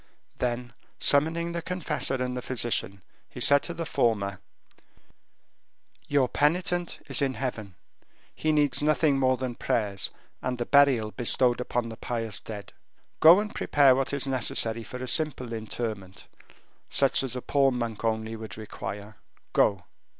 Then, summoning the confessor and the physician, he said to the former: "Your penitent is in heaven; he needs nothing more than prayers and the burial bestowed upon the pious dead. Go and prepare what is necessary for a simple interment, such as a poor monk only would require. Go."